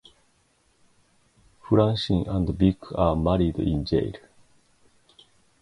Francine and Vic are married in jail.